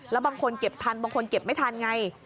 แล้วบางคนเก็บทันบางคนเก็บไม่ทันไง